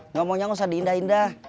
ngomongnya nggak usah diindah indah